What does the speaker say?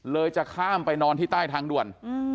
จะข้ามไปนอนที่ใต้ทางด่วน